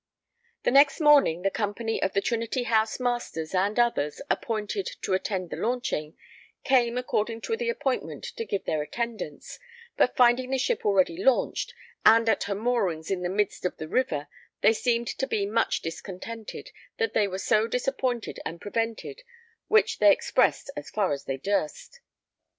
The next morning the company of the Trinity House Masters and others appointed to attend the launching, came according to the appointment to give their attendance, but finding the ship already launched, and at her moorings in the midst of the river, they seemed to be much discontented that they were so disappointed and prevented, which they expressed as far as they durst.